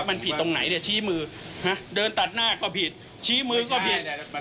มันผิดตรงไหนเนี่ยชี้มือเดินตัดหน้าก็ผิดชี้มือก็ผิด